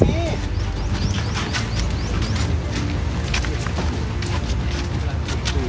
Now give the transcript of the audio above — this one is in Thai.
รถแข่งสนในกระบะมันไม่เข้าหมด